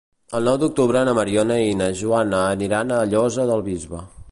El nou d'octubre na Mariona i na Joana iran a la Llosa del Bisbe.